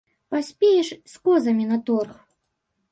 Паспееш з козамі на торг.